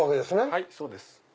はいそうです。